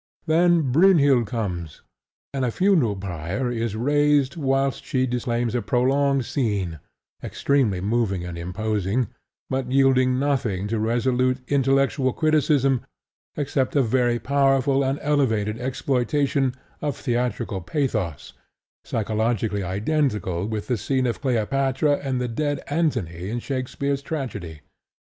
Then Brynhild comes; and a funeral pyre is raised whilst she declaims a prolonged scene, extremely moving and imposing, but yielding nothing to resolute intellectual criticism except a very powerful and elevated exploitation of theatrical pathos, psychologically identical with the scene of Cleopatra and the dead Antony in Shakespeare's tragedy.